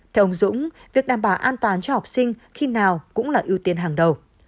theo ông dũng việc đảm bảo an toàn cho học sinh khi nào cũng là ưu tiên hàng đầu